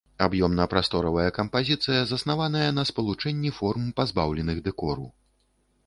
Аб'ёмна-прасторавая кампазіцыя заснаваная на спалучэнні форм, пазбаўленых дэкору.